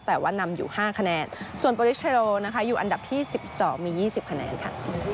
แต่ว่านำอยู่๕คะแนนส่วนโปรดิสเทโรนะคะอยู่อันดับที่๑๒มี๒๐คะแนนค่ะ